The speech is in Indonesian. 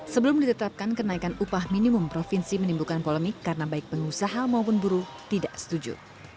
sebelum ditetapkan kenaikan upah minimum provinsi menimbulkan polemik karena baik pengusaha maupun buruh tidak setuju